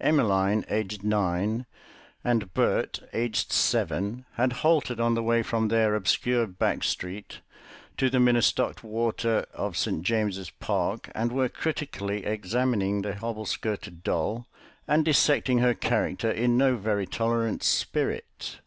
Emmeline, aged ten, and Bert, aged seven, had halted on the way from their obscure back street to the minnow stocked water of St. James's Park, and were critically examining the hobble skirted doll, and dissecting her character in no very tolerant spirit.